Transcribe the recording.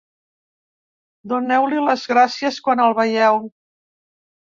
Doneu-li les gràcies quan el veieu.